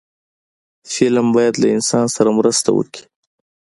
فلم باید له انسان سره مرسته وکړي